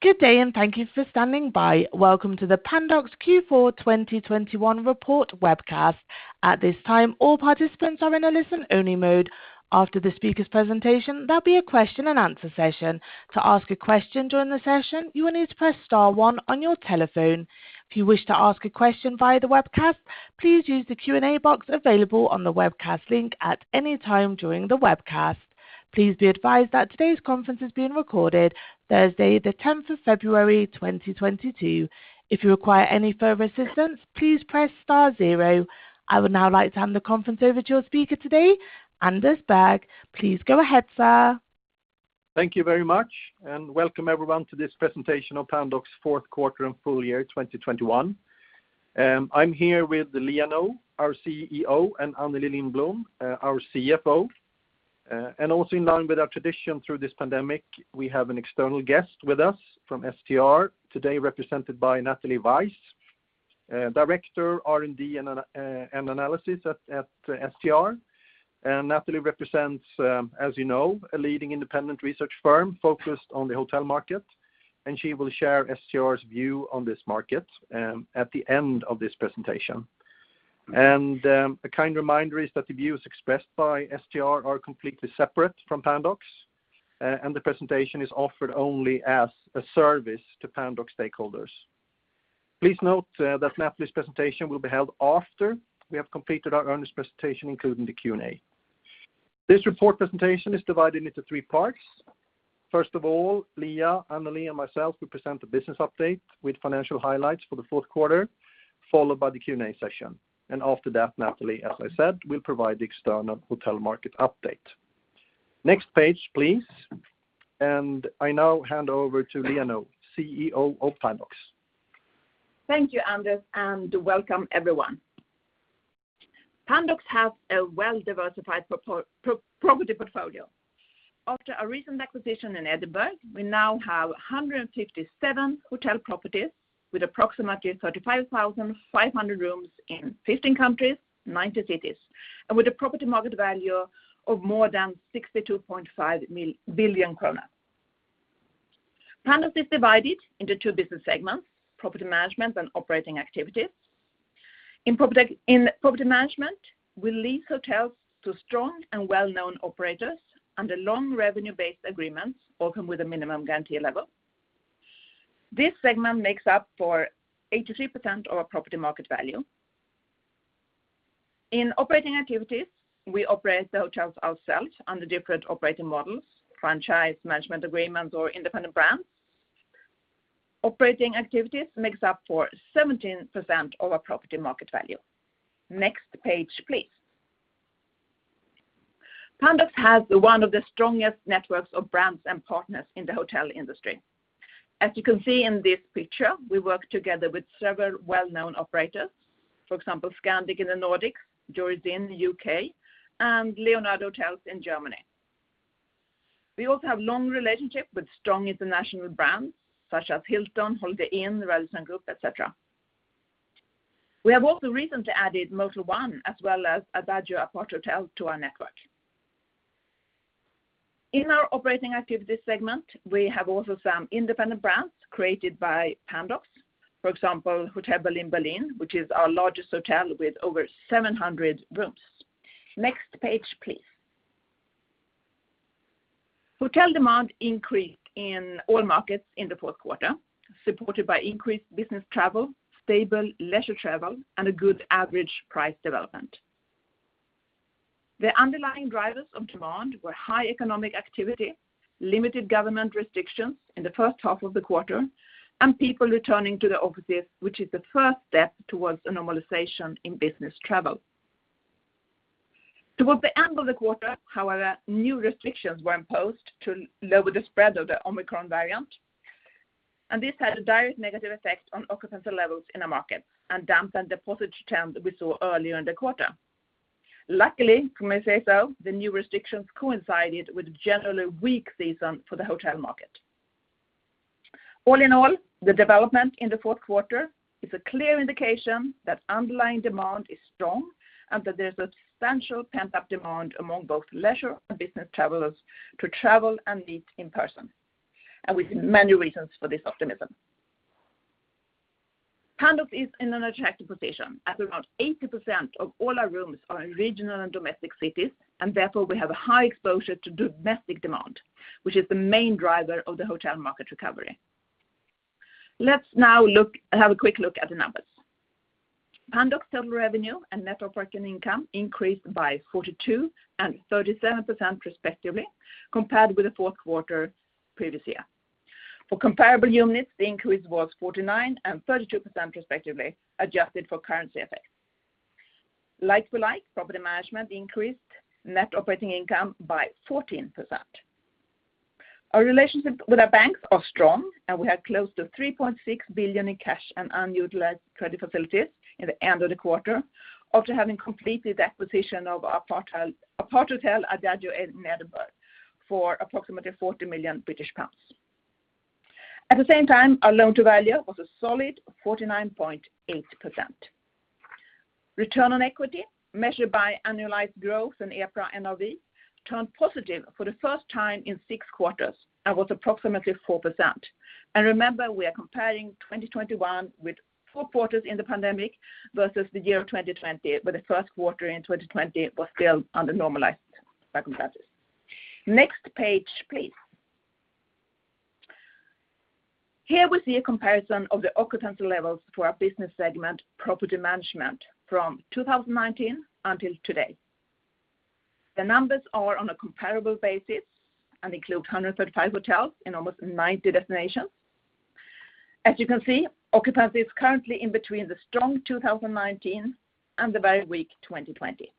Good day, thank you for standing by. Welcome to the Pandox Q4 2021 report webcast. At this time, all participants are in a listen-only mode. After the speaker's presentation, there'll be a question and answer session. To ask a question during the session, you will need to press star one on your telephone. If you wish to ask a question via the webcast, please use the Q&A box available on the webcast link at any time during the webcast. Please be advised that today's conference is being recorded Thursday, the tenth of February, 2022. If you require any further assistance, please press star zero. I would now like to hand the conference over to your speaker today, Anders Berg. Please go ahead, sir. Thank you very much, and welcome everyone to this presentation of Pandox Q4 and full year 2021. I'm here with Liia Nõu, our CEO, and Anneli Lindblom, our CFO. Also in line with our tradition through this pandemic, we have an external guest with us from STR, today represented by Natalie Weisz, Director of R&D and Analysis at STR. Natalie Weisz represents, as you know, a leading independent research firm focused on the hotel market, and she will share STR's view on this market at the end of this presentation. A kind reminder is that the views expressed by STR are completely separate from Pandox, and the presentation is offered only as a service to Pandox stakeholders. Please note that Natalie's presentation will be held after we have completed our earnings presentation, including the Q&A. This report presentation is divided into three parts. First of all, Liia Nõu, Anneli Lindblom, and myself will present the business update with financial highlights for the Q4, followed by the Q&A session. After that, Natalie Weisz, as I said, will provide the external hotel market update. Next page, please. I now hand over to Liia Nõu, CEO of Pandox. Thank you, Anders, and welcome everyone. Pandox has a well-diversified property portfolio. After a recent acquisition in Edinburgh, we now have 157 hotel properties with approximately 35,500 rooms in 15 countries, 90 cities, and with a property market value of more than 62.5 billion kronor. Pandox is divided into two business segments: property management and operating activities. In property management, we lease hotels to strong and well-known operators under long revenue-based agreements, often with a minimum guarantee level. This segment makes up 83% of our property market value. In operating activities, we operate the hotels ourselves under different operating models, franchise management agreements, or independent brands. Operating activities makes up 17% of our property market value. Next page, please. Pandox has one of the strongest networks of brands and partners in the hotel industry. As you can see in this picture, we work together with several well-known operators. For example, Scandic in the Nordic, Jurys Inn in the U.K., and Leonardo Hotels in Germany. We also have long relationship with strong international brands such as Hilton, Holiday Inn, Radisson Hotel Group, et cetera. We have also recently added Motel One as well as Adagio Aparthotel to our network. In our operating activities segment, we have also some independent brands created by Pandox. For example, Hotel Berlin, which is our largest hotel with over 700 rooms. Next page, please. Hotel demand increased in all markets in the Q4, supported by increased business travel, stable leisure travel, and a good average price development. The underlying drivers of demand were high economic activity, limited government restrictions in the first half of the quarter, and people returning to the offices, which is the first step towards a normalization in business travel. Towards the end of the quarter, however, new restrictions were imposed to lower the spread of the Omicron variant, and this had a direct negative effect on occupancy levels in our market and dampened the positive trend we saw earlier in the quarter. Luckily, can we say so, the new restrictions coincided with a generally weak season for the hotel market. All in all, the development in the Q4 is a clear indication that underlying demand is strong and that there's a substantial pent-up demand among both leisure and business travelers to travel and meet in person. We see many reasons for this optimism. Pandox is in an attractive position as around 80% of all our rooms are in regional and domestic cities, and therefore, we have a high exposure to domestic demand, which is the main driver of the hotel market recovery. Let's now have a quick look at the numbers. Pandox total revenue and net operating income increased by 42% and 37% respectively, compared with the Q4 previous year. For comparable units, the increase was 49% and 32% respectively, adjusted for currency effects. Like-for-like, property management increased net operating income by 14%. Our relationship with our banks is strong, and we have close to 3.6 billion in cash and unutilized credit facilities at the end of the quarter, after having completed the acquisition of Aparthotel Adagio in Edinburgh for approximately 40 million British pounds. At the same time, our loan-to-value was a solid 49.8%. Return on equity measured by annualized growth in EPRA NAV turned positive for the first time in 6 quarters and was approximately 4%. Remember, we are comparing 2021 with 4 quarters in the pandemic versus the year of 2020, where the Q1 in 2020 was still under normalized circumstances. Next page, please. Here we see a comparison of the occupancy levels for our business segment property management from 2019 until today. The numbers are on a comparable basis and include 135 hotels in almost 90 destinations. As you can see, occupancy is currently in between the strong 2019 and the very weak 2020.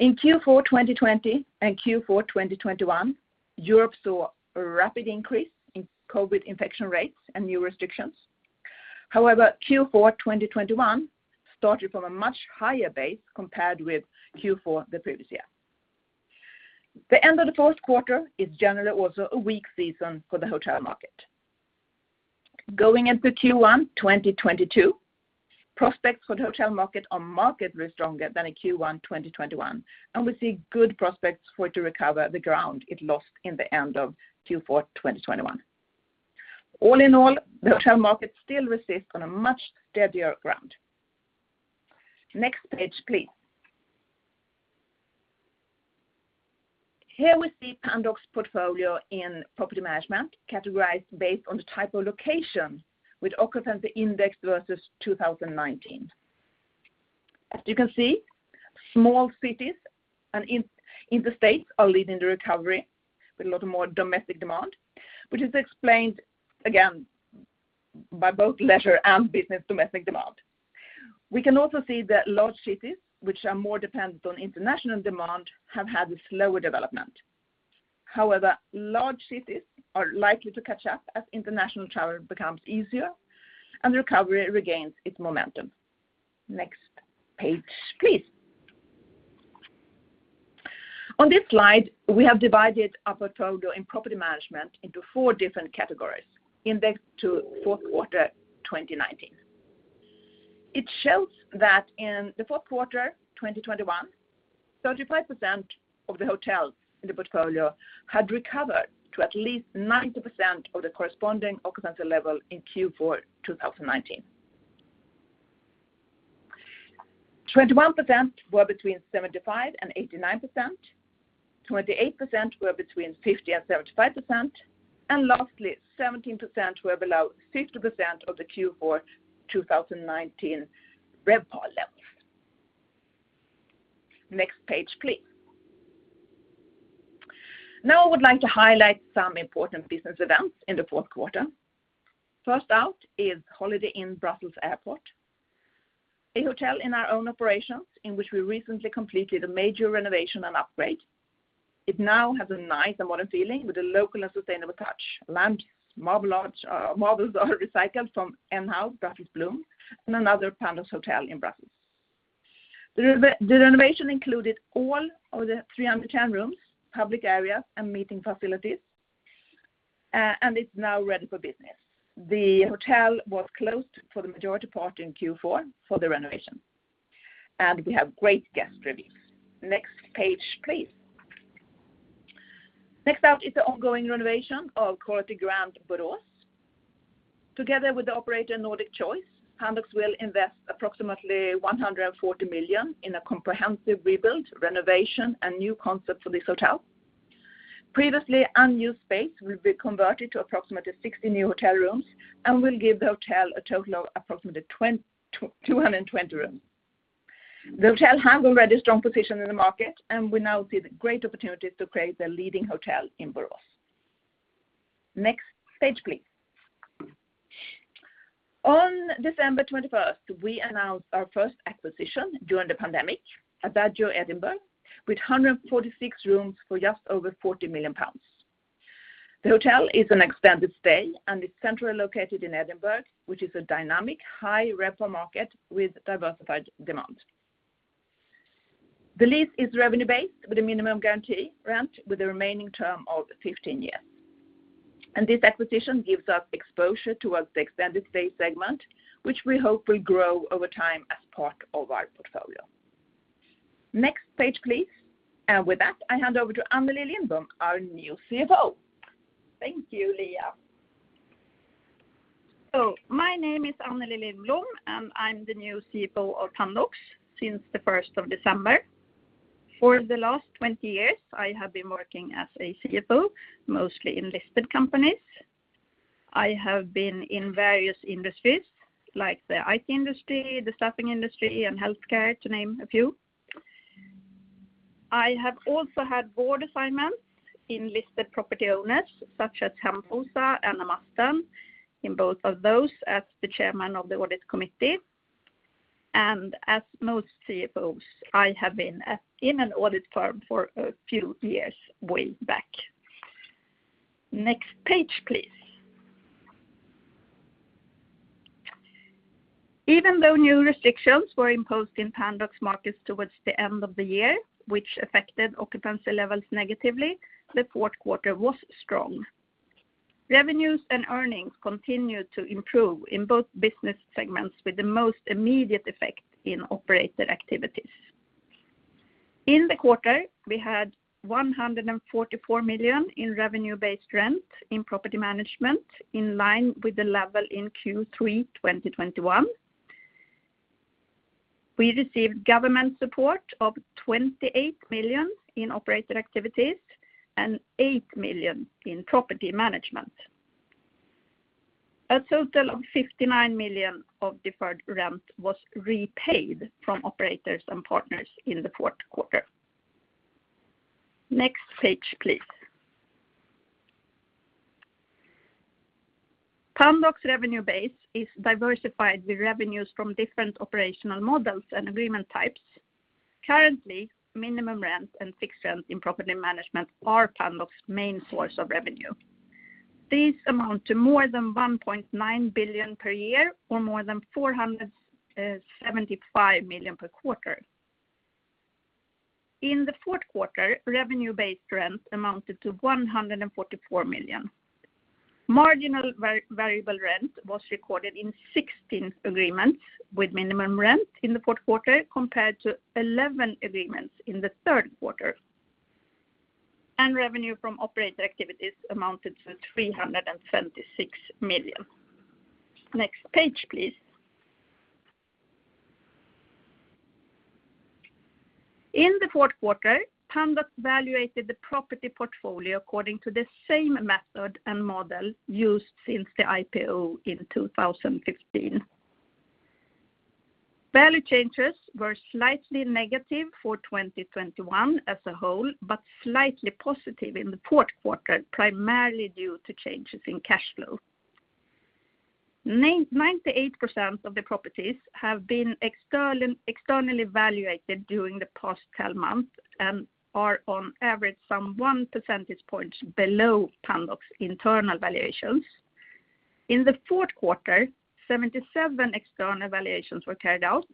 In Q4 2020 and Q4 2021, Europe saw a rapid increase in COVID-19 infection rates and new restrictions. However, Q4 2021 started from a much higher base compared with Q4 the previous year. The end of the Q4 is generally also a weak season for the hotel market. Going into Q1 2022, prospects for the hotel market are markedly stronger than in Q1 2021, and we see good prospects for it to recover the ground it lost in the end of Q4 2021. All in all, the hotel market still rests on a much steadier ground. Next page, please. Here we see Pandox portfolio in property management categorized based on the type of location with occupancy index versus 2019. As you can see, small cities and interstates are leading the recovery with a lot of more domestic demand, which is explained again by both leisure and business domestic demand. We can also see that large cities, which are more dependent on international demand, have had a slower development. However, large cities are likely to catch up as international travel becomes easier and recovery regains its momentum. Next page, please. On this slide, we have divided our portfolio in property management into four different categories indexed to Q4 2019. It shows that in the Q4 2021, 35% of the hotels in the portfolio had recovered to at least 90% of the corresponding occupancy level in Q4 2019. 21% were between 75%-89%. 28% were between 50%-75%. Lastly, 17% were below 50% of the Q4 2019 RevPAR levels. Next page, please. Now I would like to highlight some important business events in the Q4. First out is Holiday Inn Brussels Airport, a hotel in our own operations in which we recently completed a major renovation and upgrade. It now has a nice and modern feeling with a local and sustainable touch. Lamps, marble lights, marbles are recycled from in-house nhow Brussels Bloom and another Pandox hotel in Brussels. The renovation included all of the 310 rooms, public areas, and meeting facilities, and it's now ready for business. The hotel was closed for the majority part in Q4 for the renovation, and we have great guest reviews. Next page, please. Next up is the ongoing renovation of Quality Hotel Grand, Borås. Together with the operator Nordic Choice Hotels, Pandox will invest approximately 140 million in a comprehensive rebuild, renovation, and new concept for this hotel. Previously unused space will be converted to approximately 60 new hotel rooms and will give the hotel a total of approximately 220 rooms. The hotel has already a strong position in the market, and we now see the great opportunity to create the leading hotel in Borås. Next page, please. On December 21, we announced our first acquisition during the pandemic, Aparthotel Adagio Edinburgh Royal Mile, with 146 rooms for just over 40 million pounds. The hotel is an extended stay and is centrally located in Edinburgh, which is a dynamic high RevPAR market with diversified demand. The lease is revenue-based with a minimum guarantee rent with a remaining term of 15 years. This acquisition gives us exposure towards the extended stay segment, which we hope will grow over time as part of our portfolio. Next page, please. With that, I hand over to Anneli Lindblom, our new CFO. Thank you, Liia Nõu. My name is Anneli Lindblom, and I'm the new CFO of Pandox since the first of December. For the last 20 years, I have been working as a CFO, mostly in listed companies. I have been in various industries like the IT industry, the staffing industry, and healthcare to name a few. I have also had board assignments in listed property owners such as Hemfosa and Amasten in both of those as the chairman of the audit committee. As most CFOs, I have been in an audit firm for a few years way back. Next page, please. Even though new restrictions were imposed in Pandox markets towards the end of the year, which affected occupancy levels negatively, the Q4 was strong. Revenues and earnings continued to improve in both business segments with the most immediate effect in operator activities. In the quarter, we had 144 million in revenue-based rent in property management, in line with the level in Q3 2021. We received government support of 28 million in operator activities and 8 million in property management. A total of 59 million of deferred rent was repaid from operators and partners in the Q4. Next page, please. Pandox revenue base is diversified with revenues from different operational models and agreement types. Currently, minimum rent and fixed rent in property management are Pandox main source of revenue. These amount to more than 1.9 billion per year or more than 475 million per quarter. In the Q4, revenue-based rent amounted to 144 million. Marginal variable rent was recorded in 16 agreements with minimum rent in the Q4 compared to 11 agreements in the Q3. Revenue from operator activities amounted to 326 million. Next page, please. In the Q4, Pandox valued the property portfolio according to the same method and model used since the IPO in 2015. Value changes were slightly negative for 2021 as a whole, but slightly positive in the Q4, primarily due to changes in cash flow. 99.8% of the properties have been externally valued during the past twelve months and are on average some one percentage point below Pandox internal valuations. In the Q4, 77 external valuations were carried out,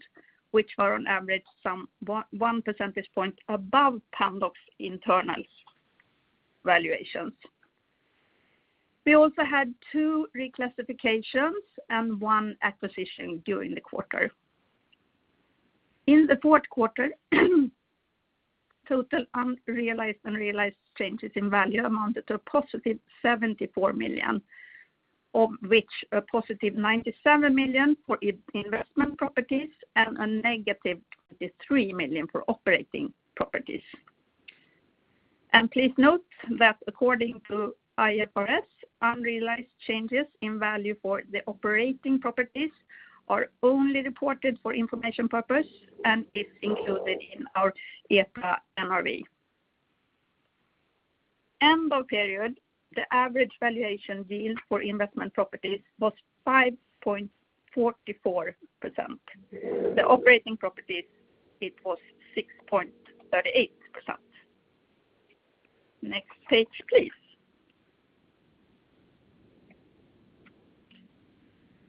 which were on average some one percentage point above Pandox internal valuations. We also had two reclassifications and one acquisition during the quarter. In the Q4, total unrealized and realized changes in value amounted to a positive 74 million, of which a positive 97 million for investment properties and a negative 23 million for operating properties. Please note that according to IFRS, unrealized changes in value for the operating properties are only reported for information purpose and is included in our EPRA NRV. End of period, the average valuation yield for investment properties was 5.44%. The operating properties, it was 6.38%. Next page, please.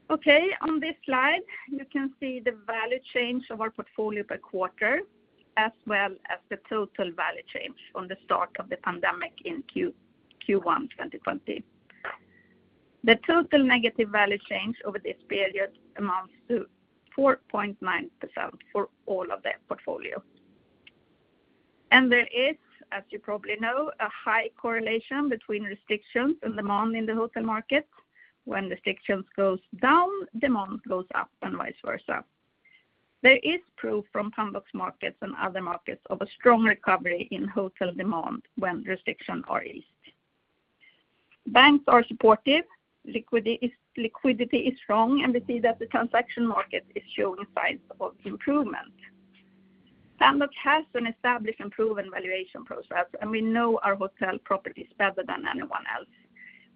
Okay, on this slide, you can see the value change of our portfolio per quarter, as well as the total value change on the start of the pandemic in Q1 2020. The total negative value change over this period amounts to 4.9% for all of the portfolio. There is, as you probably know, a high correlation between restrictions and demand in the hotel market. When restrictions goes down, demand goes up, and vice versa. There is proof from Pandox markets and other markets of a strong recovery in hotel demand when restriction are eased. Banks are supportive, liquidity is strong, and we see that the transaction market is showing signs of improvement. Pandox has an established and proven valuation process, and we know our hotel properties better than anyone else.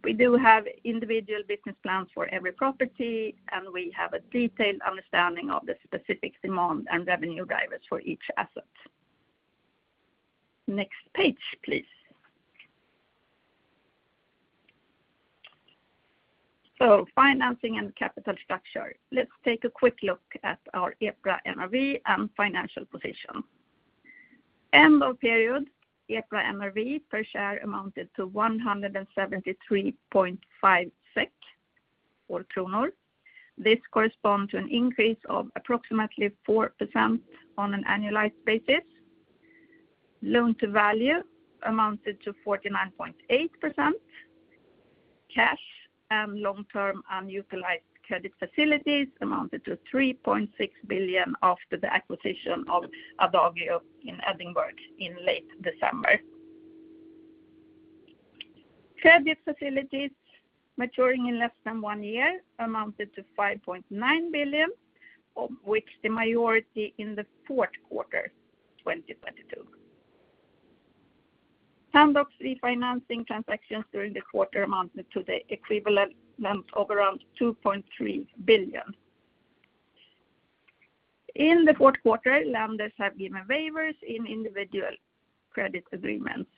We do have individual business plans for every property, and we have a detailed understanding of the specific demand and revenue drivers for each asset. Next page, please. Financing and capital structure. Let's take a quick look at our EPRA NRV and financial position. End of period, EPRA NRV per share amounted to 173.5 SEK or Kronor. This corresponds to an increase of approximately 4% on an annualized basis. Loan-to-value amounted to 49.8%. Cash and long-term unutilized credit facilities amounted to 3.6 billion after the acquisition of Adagio in Edinburgh in late December. Credit facilities maturing in less than one year amounted to 5.9 billion, of which the majority in the Q4 2022. Pandox refinancing transactions during the quarter amounted to the equivalent of around 2.3 billion. In the Q4, lenders have given waivers in individual credit agreements.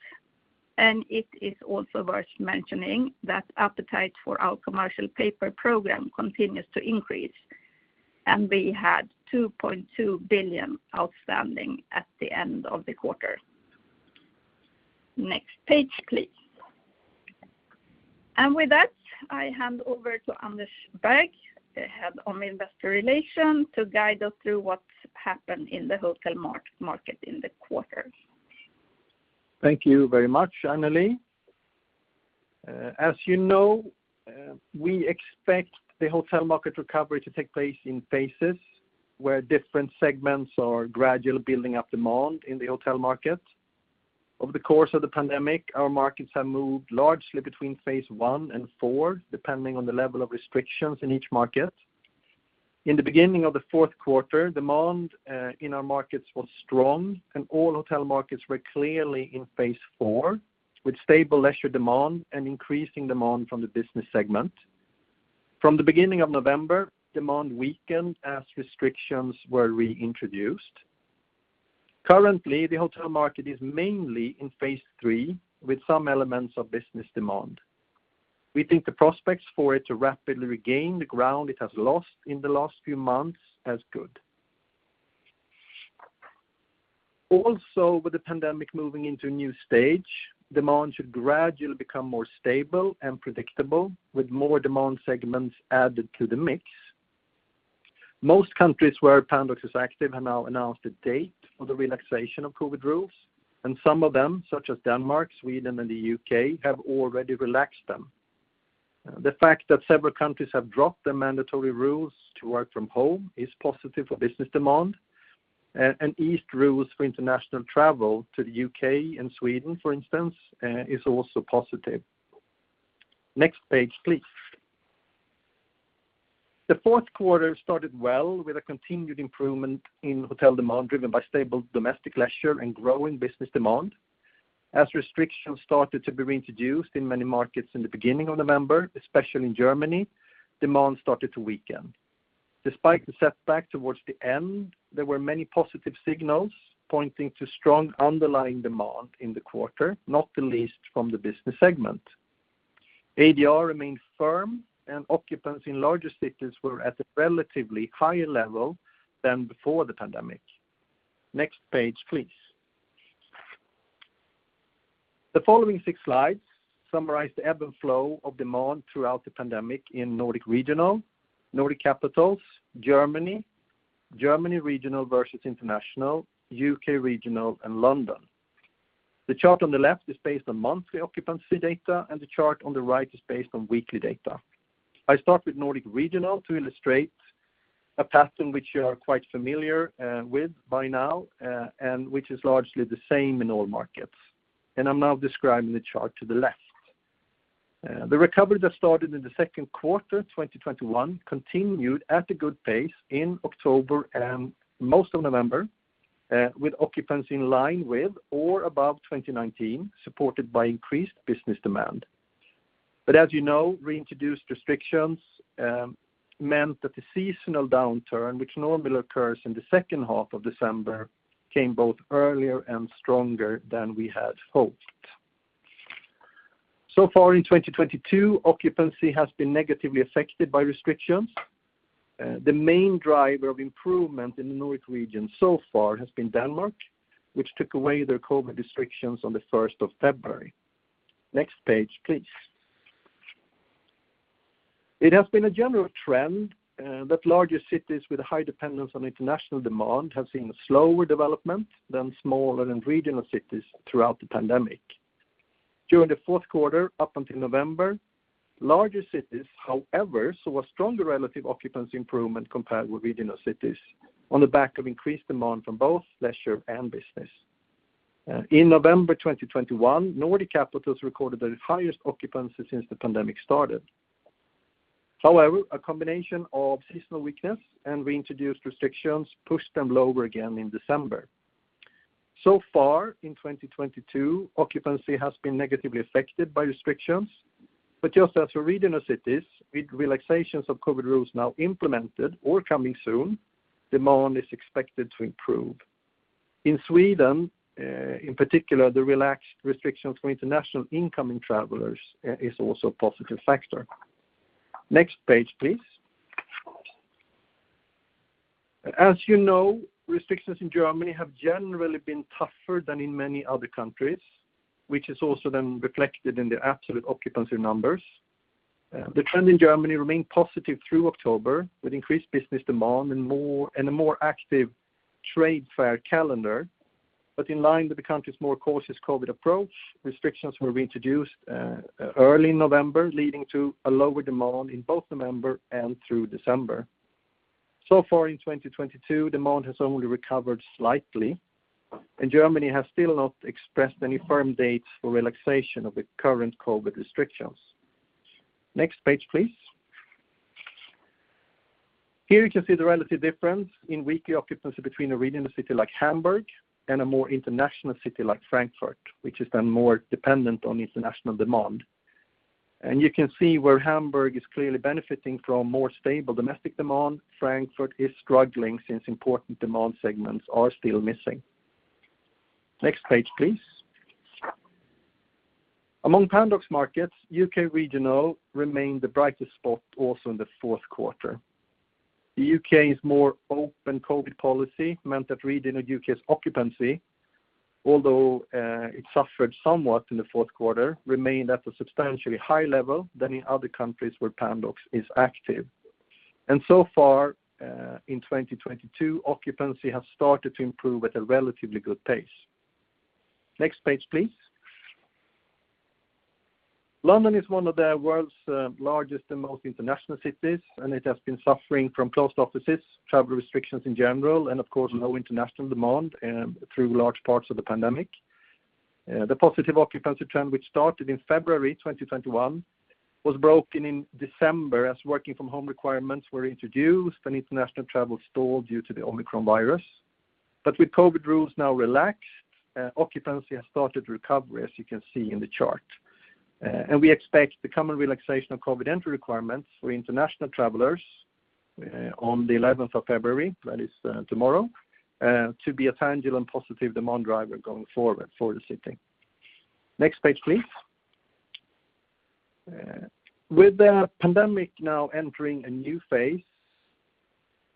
It is also worth mentioning that appetite for our commercial paper program continues to increase, and we had 2.2 billion outstanding at the end of the quarter. Next page, please. With that, I hand over to Anders Berg, the Head of Investor Relations, to guide us through what's happened in the hotel market in the quarter. Thank you very much, Anneli. As you know, we expect the hotel market recovery to take place in phases where different segments are gradually building up demand in the hotel market. Over the course of the pandemic, our markets have moved largely between phase one and four, depending on the level of restrictions in each market. In the beginning of the Q4, demand in our markets was strong and all hotel markets were clearly in phase four, with stable leisure demand and increasing demand from the business segment. From the beginning of November, demand weakened as restrictions were reintroduced. Currently, the hotel market is mainly in phase three, with some elements of business demand. We think the prospects for it to rapidly regain the ground it has lost in the last few months is good. With the pandemic moving into a new stage, demand should gradually become more stable and predictable, with more demand segments added to the mix. Most countries where Pandox is active have now announced a date for the relaxation of COVID rules, and some of them, such as Denmark, Sweden and the U.K., have already relaxed them. The fact that several countries have dropped their mandatory rules to work from home is positive for business demand. And eased rules for international travel to the U.K. and Sweden, for instance, is also positive. Next page, please. The Q4 started well with a continued improvement in hotel demand, driven by stable domestic leisure and growing business demand. As restrictions started to be reintroduced in many markets in the beginning of November, especially in Germany, demand started to weaken. Despite the setback towards the end, there were many positive signals pointing to strong underlying demand in the quarter, not the least from the business segment. ADR remained firm and occupancy in larger cities were at a relatively higher level than before the pandemic. Next page, please. The following six slides summarize the ebb and flow of demand throughout the pandemic in Nordic regional, Nordic capitals, Germany regional versus international, U.K. regional and London. The chart on the left is based on monthly occupancy data, and the chart on the right is based on weekly data. I start with Nordic regional to illustrate a pattern which you are quite familiar with by now, and which is largely the same in all markets. I'm now describing the chart to the left. The recovery that started in the Q2, 2021 continued at a good pace in October and most of November, with occupancy in line with or above 2019, supported by increased business demand. As you know, reintroduced restrictions meant that the seasonal downturn, which normally occurs in the second half of December, came both earlier and stronger than we had hoped. So far in 2022, occupancy has been negatively affected by restrictions. The main driver of improvement in the Nordic region so far has been Denmark, which took away their COVID restrictions on the first of February. Next page, please. It has been a general trend that larger cities with a high dependence on international demand have seen a slower development than smaller and regional cities throughout the pandemic. During the Q4 up until November, larger cities, however, saw a stronger relative occupancy improvement compared with regional cities on the back of increased demand from both leisure and business. In November 2021, Nordic capitals recorded their highest occupancy since the pandemic started. However, a combination of seasonal weakness and reintroduced restrictions pushed them lower again in December. So far in 2022, occupancy has been negatively affected by restrictions. Just as for regional cities, with relaxations of COVID rules now implemented or coming soon, demand is expected to improve. In Sweden, in particular, the relaxed restrictions for international incoming travelers is also a positive factor. Next page, please. As you know, restrictions in Germany have generally been tougher than in many other countries, which is also then reflected in the absolute occupancy numbers. The trend in Germany remained positive through October with increased business demand and a more active trade fair calendar. In line with the country's more cautious COVID approach, restrictions were reintroduced early November, leading to a lower demand in both November and through December. Far in 2022, demand has only recovered slightly, and Germany has still not expressed any firm dates for relaxation of the current COVID restrictions. Next page, please. Here you can see the relative difference in weekly occupancy between a regional city like Hamburg and a more international city like Frankfurt, which is then more dependent on international demand. You can see where Hamburg is clearly benefiting from more stable domestic demand. Frankfurt is struggling since important demand segments are still missing. Next page, please. Among Pandox markets, UK regional remained the brightest spot also in the Q4. The U.K.'s more open COVID policy meant that recovery in the U.K.'s occupancy, although it suffered somewhat in the Q4, remained at a substantially higher level than in other countries where Pandox is active. So far in 2022, occupancy has started to improve at a relatively good pace. Next page, please. London is one of the world's largest and most international cities, and it has been suffering from closed offices, travel restrictions in general, and of course, low international demand through large parts of the pandemic. The positive occupancy trend, which started in February 2021, was broken in December as working from home requirements were introduced and international travel stalled due to the Omicron virus. With COVID rules now relaxed, occupancy has started to recover, as you can see in the chart. We expect the coming relaxation of COVID entry requirements for international travelers on the eleventh of February, that is, tomorrow, to be a tangible and positive demand driver going forward for the city. Next page, please. With the pandemic now entering a new phase,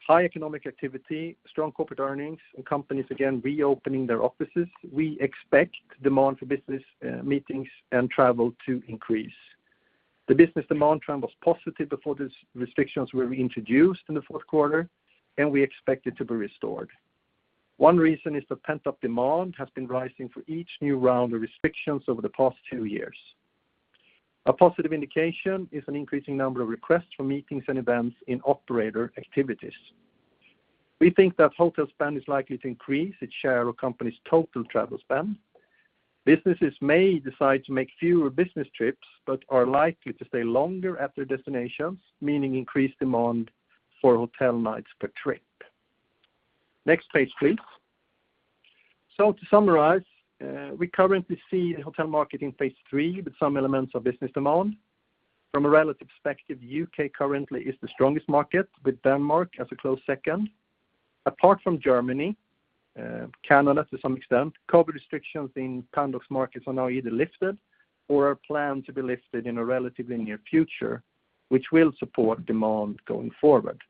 high economic activity, strong corporate earnings, and companies again reopening their offices, we expect demand for business meetings and travel to increase. The business demand trend was positive before these restrictions were introduced in the Q4, and we expect it to be restored. One reason is the pent-up demand has been rising for each new round of restrictions over the past two years. A positive indication is an increasing number of requests for meetings and events in operator activities. We think that hotel spend is likely to increase its share of companies' total travel spend. Businesses may decide to make fewer business trips, but are likely to stay longer at their destinations, meaning increased demand for hotel nights per trip. Next page, please. To summarize, we currently see the hotel market in phase three with some elements of business demand. From a relative perspective, U.K. currently is the strongest market with Denmark as a close second. Apart from Germany, Canada, to some extent, COVID restrictions in Pandox markets are now either lifted or are planned to be lifted in a relatively near future, which will support demand going forward.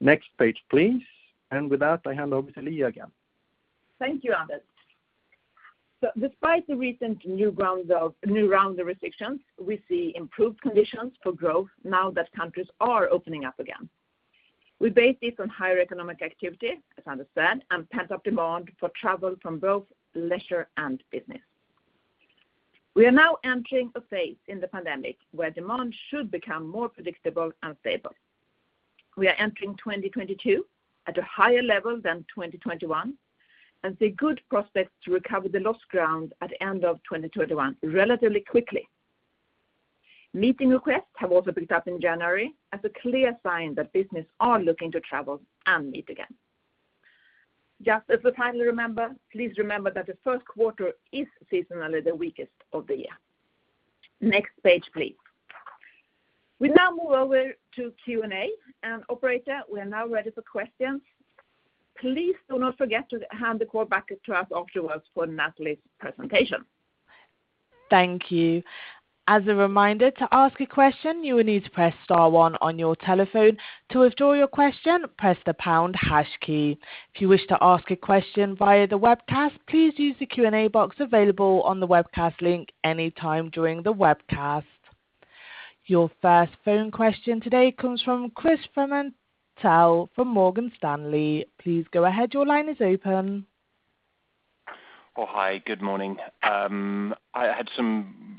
Next page, please. With that, I hand over to Liia Nõu again. Thank you, Anders. Despite the recent new round of restrictions, we see improved conditions for growth now that countries are opening up again. We base this on higher economic activity, as Anders said, and pent-up demand for travel from both leisure and business. We are now entering a phase in the pandemic where demand should become more predictable and stable. We are entering 2022 at a higher level than 2021 and see good prospects to recover the lost ground at end of 2021 relatively quickly. Meeting requests have also picked up in January as a clear sign that businesses are looking to travel and meet again. Just as a timely reminder, please remember that the Q1 is seasonally the weakest of the year. Next page, please. We now move over to Q&A. Operator, we are now ready for questions. Please do not forget to hand the call back to us afterwards for Natalie's presentation. Thank you. As a reminder to ask a question, you will need to press star one on your telephone. To withdraw your question, press the pound hash key. If you wish to ask a question via the webcast, please use the Q&A box available on the webcast link any time during the webcast. Your first phone question today comes from Christopher Fremantle from Morgan Stanley. Please go ahead. Your line is open. Oh, hi. Good morning. I had some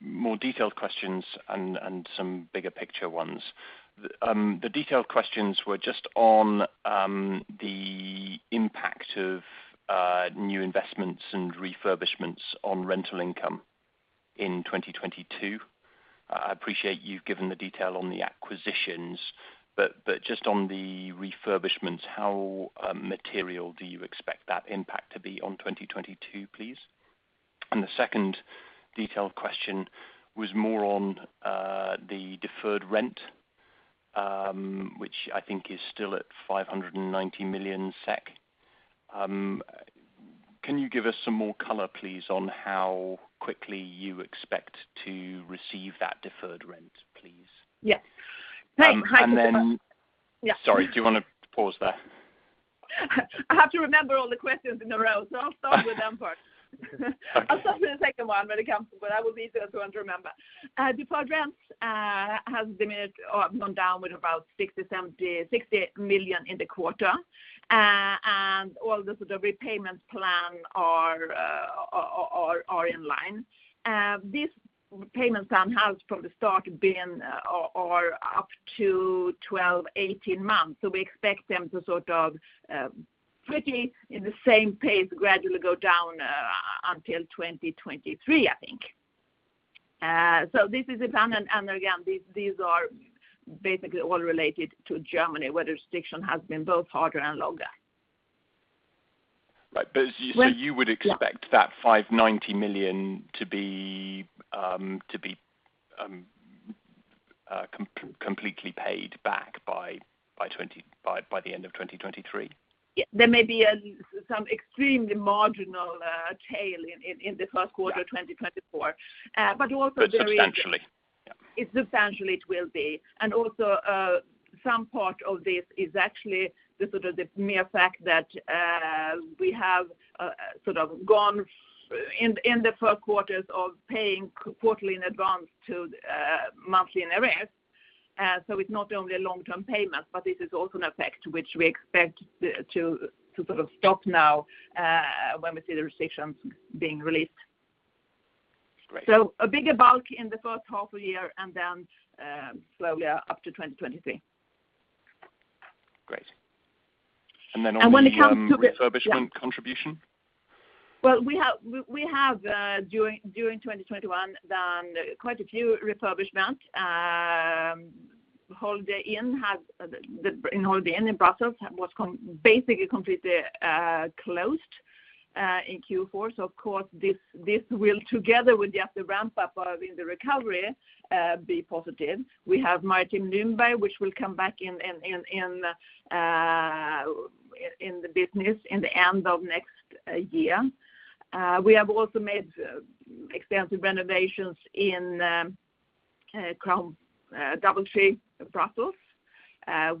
more detailed questions and some bigger picture ones. The detailed questions were just on the impact of new investments and refurbishments on rental income in 2022. I appreciate you've given the detail on the acquisitions, but just on the refurbishments, how material do you expect that impact to be on 2022, please? The second detailed question was more on the deferred rent, which I think is still at 590 million SEK. Can you give us some more color, please, on how quickly you expect to receive that deferred rent, please? Yes. Hi, Christopher. And then- Yeah. Sorry. Do you wanna pause there? I have to remember all the questions in a row, so I'll start with them first. Okay. I'll start with the second one when it comes, but that will be easier to remember. Deferred rent has diminished or gone down with about 60, 70, 60 million in the quarter. All the sort of repayment plan are in line. This repayment plan has from the start been or up to 12, 18 months. We expect them to sort of pretty in the same pace, gradually go down until 2023, I think. This is a plan. Again, these are basically all related to Germany, where restriction has been both harder and longer. You would expect that 590 million to be completely paid back by the end of 2023? Yeah. There may be some extremely marginal tail in the Q1 of 2024. Also the reason- Substantially. Yeah. Substantially it will be. Also, some part of this is actually the sort of the mere fact that we have sort of gone in the Q1s of paying quarterly in advance to monthly in arrears. It's not only a long-term payment, but this is also an effect which we expect to sort of stop now when we see the restrictions being released. Great. A bigger bulk in the first half of the year and then, slowly up to 2023. Great. When it comes to re- refurbishment contribution? Well, we have during 2021 done quite a few refurbishment. Holiday Inn in Brussels was basically completely closed in Q4. Of course this will together with just the ramp up in the recovery be positive. We have Martin & Servera which will come back in the business in the end of next year. We have also made extensive renovations in DoubleTree Brussels.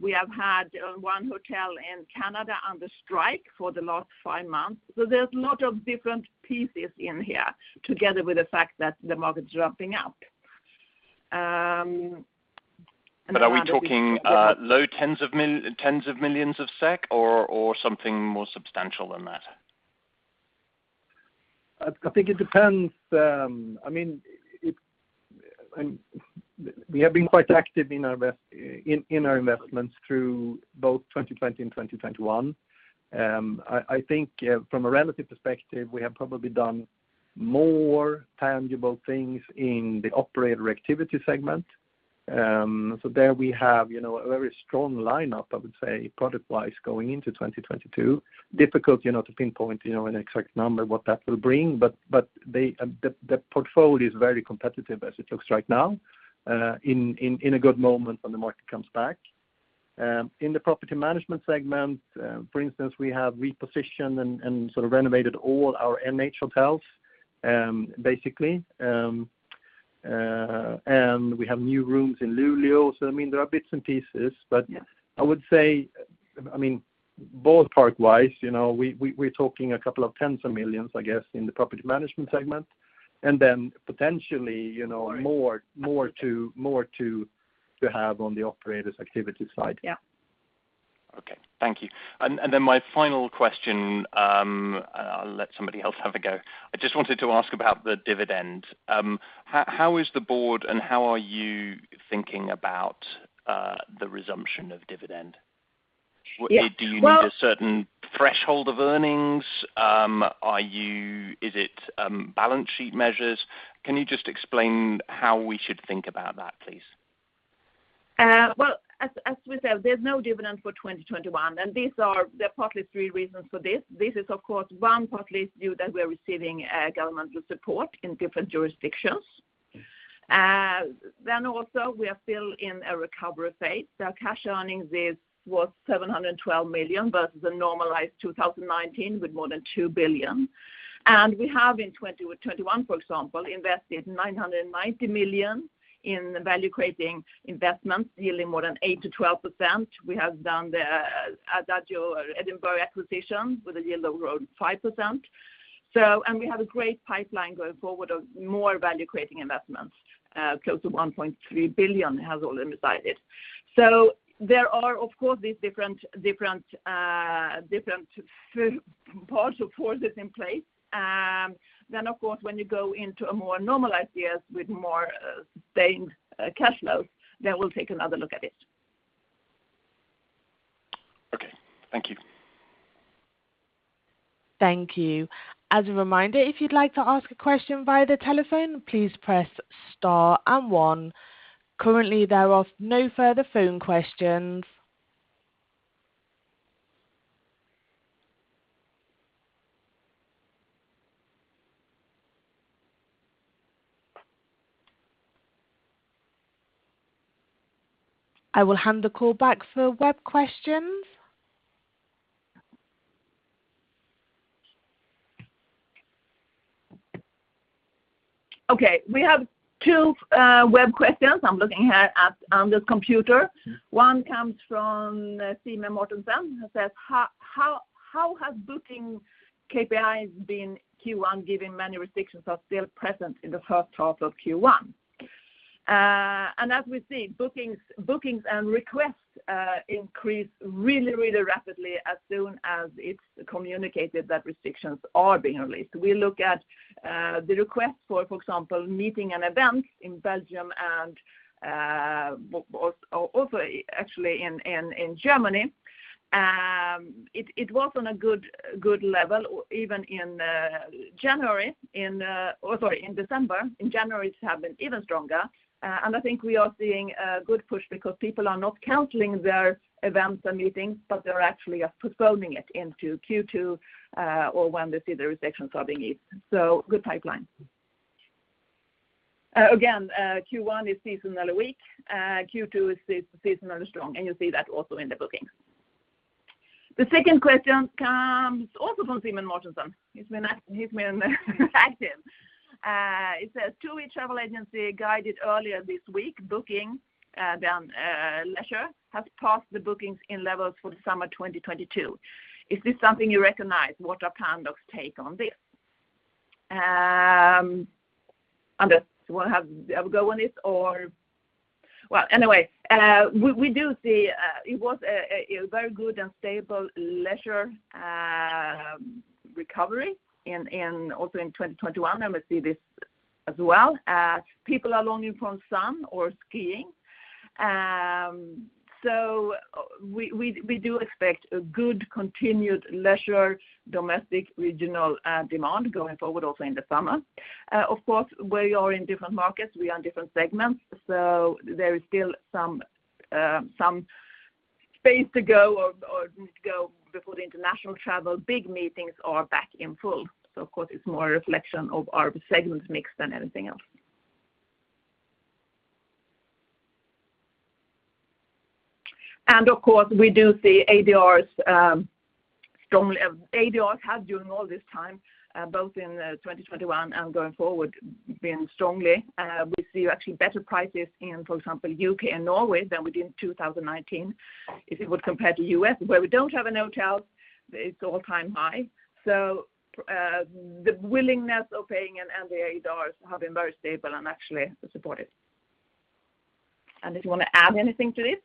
We have had one hotel in Canada under strike for the last 5 months. There's a lot of different pieces in here together with the fact that the market's ramping up. Now that it's Are we talking low tens of millions of SEK or something more substantial than that? I think it depends. We have been quite active in our investments through both 2020 and 2021. I think from a relative perspective, we have probably done more tangible things in the operator activity segment. There we have a very strong lineup, I would say, product-wise going into 2022. It is difficult, you know, to pinpoint an exact number what that will bring, but the portfolio is very competitive as it looks right now in a good moment when the market comes back. In the property management segment, for instance, we have repositioned and sort of renovated all our NH Hotels, basically. We have new rooms in Luleå. I mean, there are bits and pieces. Yeah. I would say, I mean, both part-wise, you know, we're talking SEK a couple of tens of millions, I guess, in the property management segment. Then potentially, you know- Right more to have on the operators activity side. Yeah. Okay. Thank you. My final question, I'll let somebody else have a go. I just wanted to ask about the dividend. How is the board and how are you thinking about the resumption of dividend? Yeah. Do you need a certain threshold of earnings? Is it balance sheet measures? Can you just explain how we should think about that, please? Well, as we said, there's no dividend for 2021, and there are partly three reasons for this. This is of course one, partly due to that we are receiving governmental support in different jurisdictions. We are still in a recovery phase. The cash earnings was 712 million versus a normalized 2019 with more than 2 billion. We have in 2021, for example, invested 990 million in value-creating investments yielding more than 8%-12%. We have done the Adagio Edinburgh acquisition with a yield of around 5%. We have a great pipeline going forward of more value-creating investments, close to 1.3 billion has already been decided. There are of course these different parts or forces in place. Of course, when you go into a more normalized years with more, sustained, cash flows, we'll take another look at it. Okay. Thank you. Thank you. As a reminder, if you'd like to ask a question via the telephone, please press star and one. Currently, there are no further phone questions. I will hand the call back for web questions. Okay. We have two web questions. I'm looking here at one on this computer. One comes from Simen Mortensen, who says, "How has booking KPIs been in Q1 given many restrictions are still present in the first half of Q1?" As we see, bookings and requests increased really rapidly as soon as it's communicated that restrictions are being released. We look at the request for example, meetings and events in Belgium and also actually in Germany. It was on a good level even in January. Oh, sorry, in December. In January, it has been even stronger. I think we are seeing a good push because people are not canceling their events and meetings, but they're actually postponing it into Q2, or when they see the restrictions are being eased. Good pipeline. Again, Q1 is seasonally weak. Q2 is seasonally strong, and you'll see that also in the bookings. The second question comes also from Simen Mortensen. He's been active. It says, "TUI travel agency guided earlier this week, bookings down. Leisure has passed the bookings levels for the summer 2022. Is this something you recognize? What are Pandox take on this?" Anders, do you wanna have a go on this, or. Well, anyway, we do see it was a very good and stable leisure recovery in also in 2021 and we see this as well. People are longing for sun or skiing. We do expect a good continued leisure domestic regional demand going forward also in the summer. Of course, we are in different markets. We are in different segments, so there is still some space to go or need to go before the international travel big meetings are back in full. Of course it's more a reflection of our segment mix than anything else. Of course, we do see ADRs strongly. ADRs have during all this time, both in 2021 and going forward, been strongly. We see actually better prices in, for example, the U.K. and Norway than we did in 2019. If we compare to the U.S., where we don't have any hotels, it's an all-time high. The willingness to pay and the ADRs have been very stable and actually supported. Anders, you wanna add anything to this?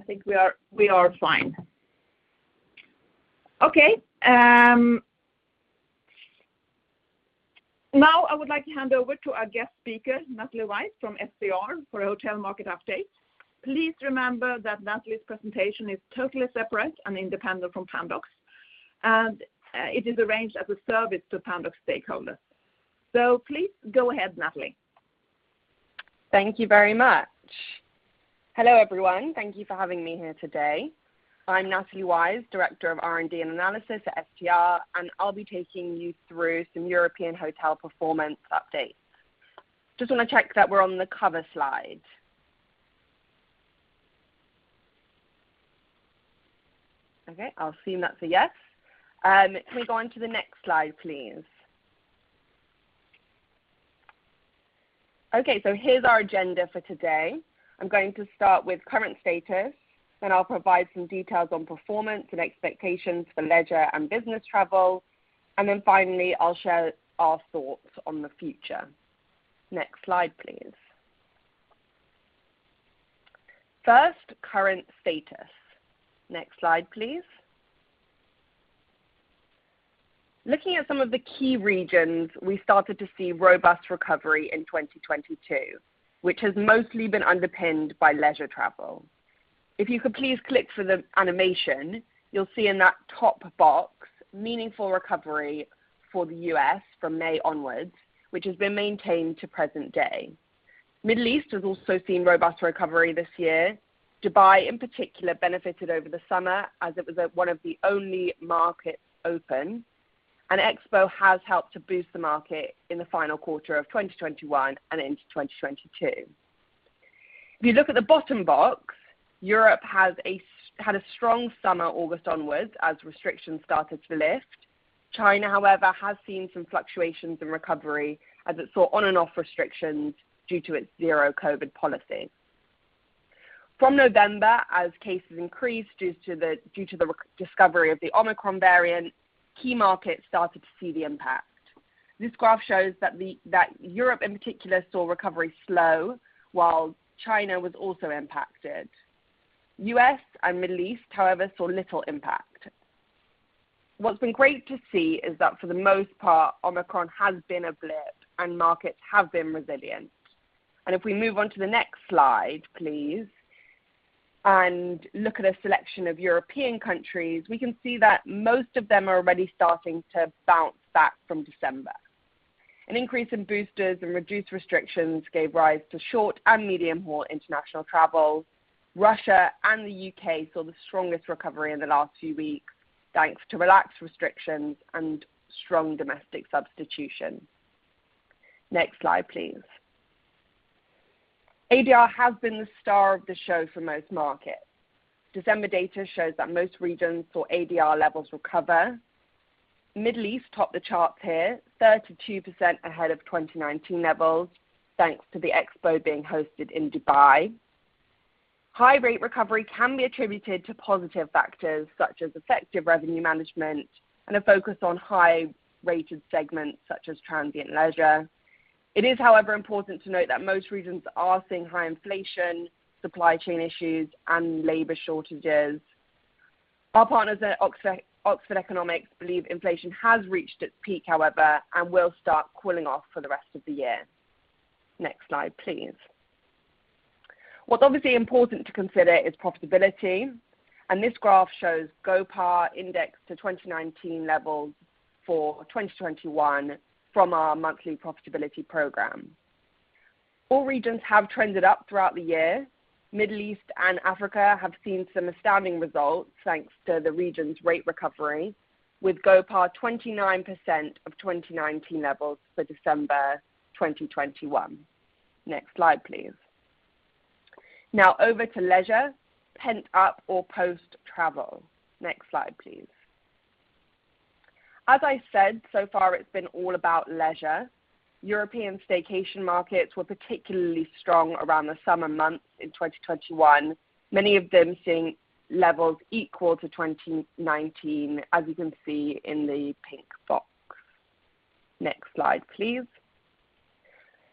I think we are fine. Okay, now I would like to hand over to our guest speaker, Natalie Weisz from STR for a hotel market update. Please remember that Natalie's presentation is totally separate and independent from Pandox, and it is arranged as a service to Pandox stakeholders. Please go ahead, Natalie. Thank you very much. Hello, everyone. Thank you for having me here today. I'm Natalie Weisz, Director of R&D and Analysis at STR, and I'll be taking you through some European hotel performance updates. Just wanna check that we're on the cover slide. Okay, I'll assume that's a yes. Can we go onto the next slide, please? Okay, so here's our agenda for today. I'm going to start with current status, then I'll provide some details on performance and expectations for leisure and business travel, and then finally, I'll share our thoughts on the future. Next slide, please. First, current status. Next slide, please. Looking at some of the key regions, we started to see robust recovery in 2022, which has mostly been underpinned by leisure travel. If you could please click for the animation, you'll see in that top box meaningful recovery for the U.S. from May onwards, which has been maintained to present day. Middle East has also seen robust recovery this year. Dubai in particular benefited over the summer, as it was one of the only markets open, and Expo has helped to boost the market in the final quarter of 2021 and into 2022. If you look at the bottom box, Europe has had a strong summer August onwards as restrictions started to lift. China, however, has seen some fluctuations in recovery as it saw on-and-off restrictions due to its zero COVID policy. From November, as cases increased due to the discovery of the Omicron variant, key markets started to see the impact. This graph shows that Europe in particular saw recovery slow, while China was also impacted. U.S. and Middle East, however, saw little impact. What's been great to see is that for the most part, Omicron has been a blip and markets have been resilient. If we move on to the next slide, please, and look at a selection of European countries, we can see that most of them are already starting to bounce back from December. An increase in boosters and reduced restrictions gave rise to short and medium-haul international travel. Russia and the U.K. saw the strongest recovery in the last few weeks, thanks to relaxed restrictions and strong domestic substitution. Next slide, please. ADR has been the star of the show for most markets. December data shows that most regions saw ADR levels recover. Middle East topped the charts here, 32% ahead of 2019 levels, thanks to the Expo being hosted in Dubai. High rate recovery can be attributed to positive factors such as effective revenue management and a focus on high-rated segments such as transient leisure. It is, however, important to note that most regions are seeing high inflation, supply chain issues, and labor shortages. Our partners at Oxford Economics believe inflation has reached its peak, however, and will start cooling off for the rest of the year. Next slide, please. What's obviously important to consider is profitability, and this graph shows GOPAR indexed to 2019 levels for 2021 from our monthly profitability program. All regions have trended up throughout the year. Middle East and Africa have seen some astounding results, thanks to the region's rate recovery, with GOPAR 29% of 2019 levels for December 2021. Next slide, please. Now over to leisure, pent-up or post-travel. Next slide, please. As I said, so far it's been all about leisure. European staycation markets were particularly strong around the summer months in 2021, many of them seeing levels equal to 2019, as you can see in the pink box. Next slide, please.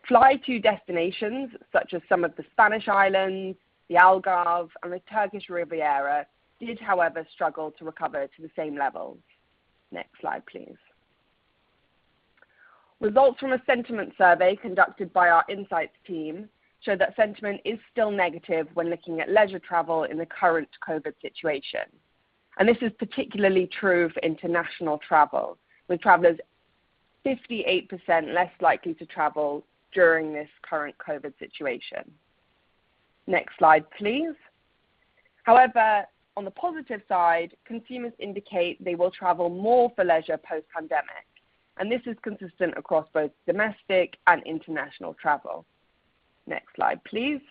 Fly-to destinations such as some of the Spanish islands, the Algarve, and the Turkish Riviera did, however, struggle to recover to the same levels. Next slide, please. Results from a sentiment survey conducted by our insights team show that sentiment is still negative when looking at leisure travel in the current COVID situation. This is particularly true for international travel, with travelers 58% less likely to travel during this current COVID situation. Next slide, please. However, on the positive side, consumers indicate they will travel more for leisure post-pandemic, and this is consistent across both domestic and international travel. Next slide, please.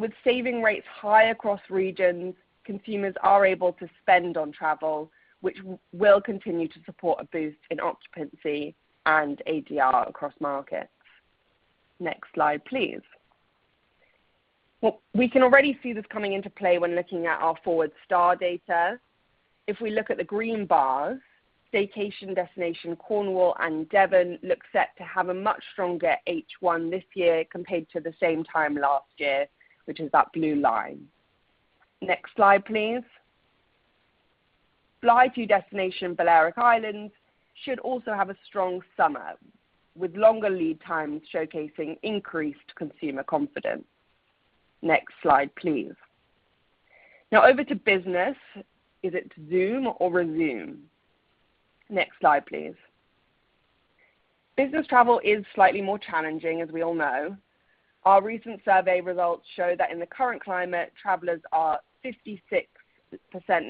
With saving rates high across regions, consumers are able to spend on travel, which will continue to support a boost in occupancy and ADR across markets. Next slide, please. Well, we can already see this coming into play when looking at our forward STR data. If we look at the green bars, staycation destination Cornwall and Devon look set to have a much stronger H1 this year compared to the same time last year, which is that blue line. Next slide, please. Fly-to destination Balearic Islands should also have a strong summer, with longer lead times showcasing increased consumer confidence. Next slide, please. Now over to business. Is it zoom or resume? Next slide, please. Business travel is slightly more challenging, as we all know. Our recent survey results show that in the current climate, travelers are 56%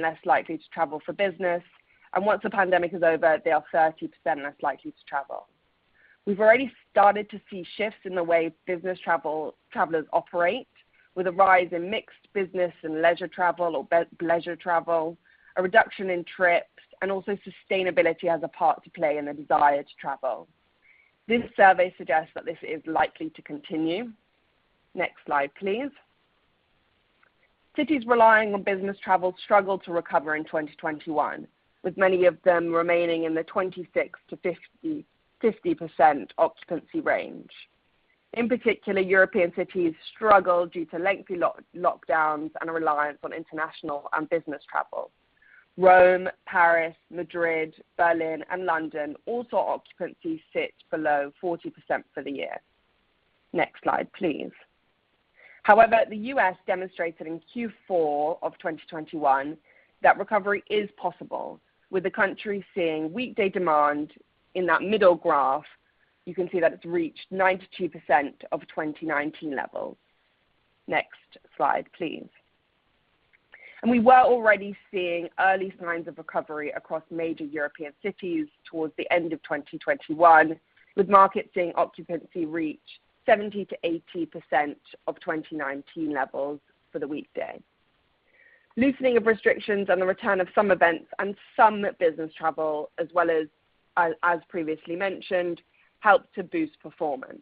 less likely to travel for business, and once the pandemic is over, they are 30% less likely to travel. We've already started to see shifts in the way business travelers operate, with a rise in mixed business and leisure travel or bleisure travel, a reduction in trips, and also sustainability has a part to play in the desire to travel. This survey suggests that this is likely to continue. Next slide, please. Cities relying on business travel struggled to recover in 2021, with many of them remaining in the 26%-50% occupancy range. In particular, European cities struggled due to lengthy lockdowns and a reliance on international and business travel. Rome, Paris, Madrid, Berlin, and London all saw occupancy sit below 40% for the year. Next slide, please. However, the U.S. demonstrated in Q4 of 2021 that recovery is possible, with the country seeing weekday demand in that middle graph. You can see that it's reached 92% of 2019 levels. Next slide, please. We were already seeing early signs of recovery across major European cities towards the end of 2021, with markets seeing occupancy reach 70%-80% of 2019 levels for the weekday. Loosening of restrictions and the return of some events and some business travel as well as previously mentioned helped to boost performance.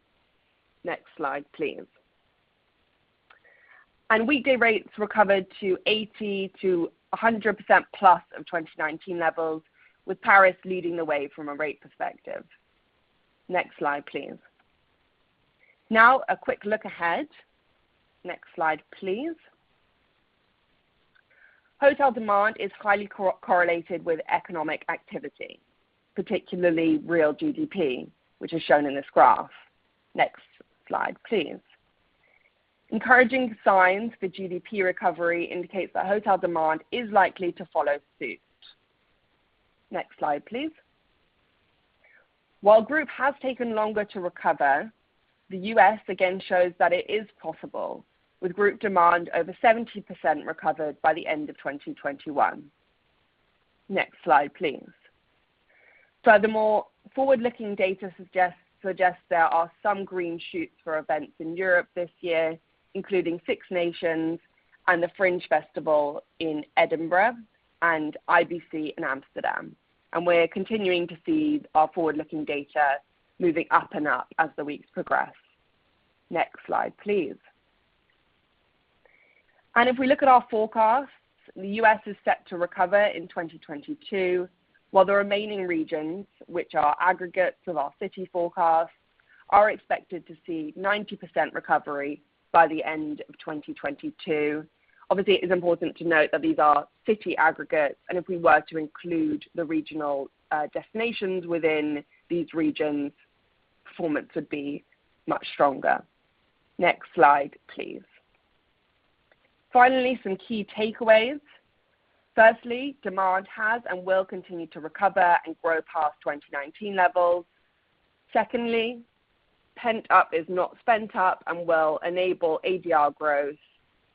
Next slide, please. Weekday rates recovered to 80%-100%+ of 2019 levels, with Paris leading the way from a rate perspective. Next slide, please. Now a quick look ahead. Next slide, please. Hotel demand is highly correlated with economic activity, particularly real GDP, which is shown in this graph. Next slide, please. Encouraging signs for GDP recovery indicates that hotel demand is likely to follow suit. Next slide, please. While group has taken longer to recover, the U.S. again shows that it is possible, with group demand over 70% recovered by the end of 2021. Next slide, please. Furthermore, forward-looking data suggests there are some green shoots for events in Europe this year, including Six Nations and the Fringe Festival in Edinburgh and IBC in Amsterdam. We're continuing to see our forward-looking data moving up and up as the weeks progress. Next slide, please. If we look at our forecasts, the U.S. is set to recover in 2022, while the remaining regions, which are aggregates of our city forecasts, are expected to see 90% recovery by the end of 2022. Obviously, it is important to note that these are city aggregates, and if we were to include the regional, destinations within these regions, performance would be much stronger. Next slide, please. Finally, some key takeaways. Firstly, demand has and will continue to recover and grow past 2019 levels. Secondly, pent-up is not spent up and will enable ADR growth.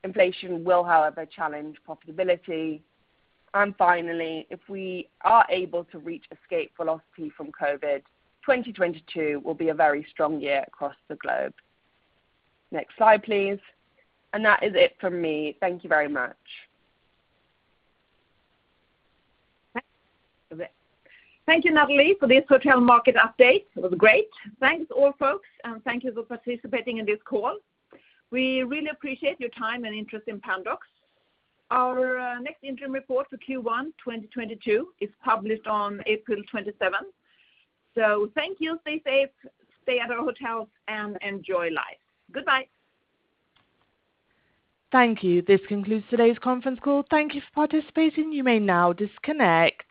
Inflation will, however, challenge profitability. Finally, if we are able to reach escape velocity from COVID, 2022 will be a very strong year across the globe. Next slide, please. That is it from me. Thank you very much. Thank you, Natalie, for this hotel market update. It was great. Thanks all folks, and thank you for participating in this call. We really appreciate your time and interest in Pandox. Our next interim report for Q1 2022 is published on April twenty-seventh. Thank you. Stay safe, stay at our hotels, and enjoy life. Goodbye. Thank you. This concludes today's conference call. Thank you for participating. You may now disconnect.